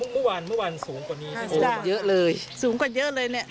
เมื่อวานสูงกว่านี้สูงกว่าเยอะเลยสูงกว่าเยอะเลยเนี่ย